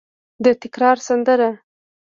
د تکرار سندره